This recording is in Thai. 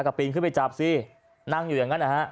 กระปรีงไปจับเซ่นั่งอยู่อย่างนั้น